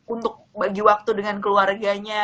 untuk bagi waktu dengan keluarganya